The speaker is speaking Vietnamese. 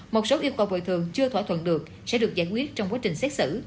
một số yêu cầu bồi thường chưa thỏa thuận được sẽ được giải quyết trong quá trình xét xử